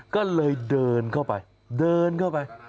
ก็เลยเดินเข้าไปเดินเข้าไป